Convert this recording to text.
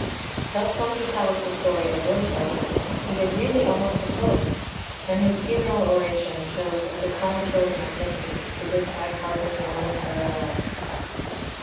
Thus when he tells the story of Leto he is really almost a poet; and his funeral oration shows a declamatory magnificence to which I hardly know a parallel.